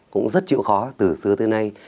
cũng rất chịu khó từ xưa tới nay